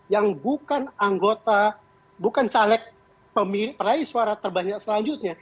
yang bukan caleg pemilih suara terbanyak selanjutnya